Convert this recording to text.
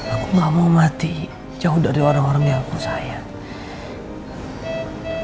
aku gak mau mati jauh dari orang orang yang aku sayang